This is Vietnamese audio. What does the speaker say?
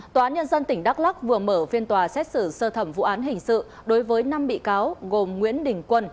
tòa án nhân dân tỉnh đắk lắc vừa mở phiên tòa xét xử sơ thẩm vụ án hình sự đối với năm bị cáo gồm nguyễn đình quân